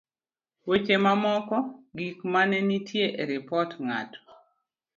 weche mamoko gik manenitie e Ripot Ng'ato